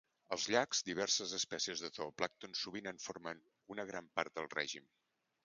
Als llacs, diverses espècies de zooplàncton sovint en formen una gran part del règim.